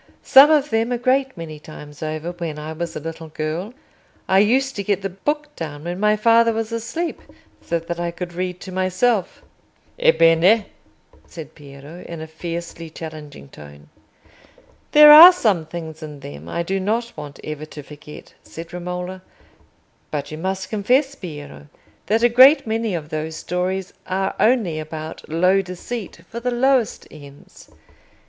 "Some of them a great many times over, when I was a little girl. I used to get the book down when my father was asleep, so that I could read to myself." "Ebbene?" said Piero, in a fiercely challenging tone. "There are some things in them I do not want ever to forget," said Romola; "but you must confess, Piero, that a great many of those stories are only about low deceit for the lowest ends.